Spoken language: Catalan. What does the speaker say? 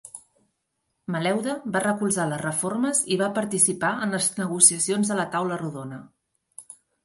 Maleuda va recolzar les reformes i va participar en les negociacions de la taula rodona.